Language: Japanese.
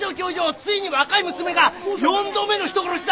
ついに若い娘が４度目の人殺しだ！